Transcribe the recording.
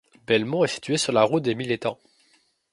Belmont est située sur la route des Mille Etangs.